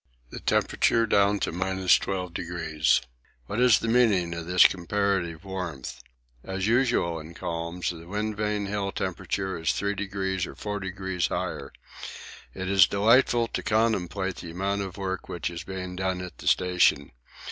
The temperature down to 12°. What is the meaning of this comparative warmth? As usual in calms the Wind Vane Hill temperature is 3° or 4° higher. It is delightful to contemplate the amount of work which is being done at the station.